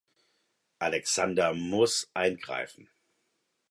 Alexander muss eingreifen.